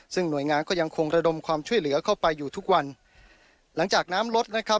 ซึ่งหน่วยงานก็ยังคงระดมความช่วยเหลือเข้าไปอยู่ทุกวันหลังจากน้ำลดนะครับ